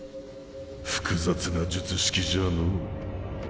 複雑な術式じゃのう。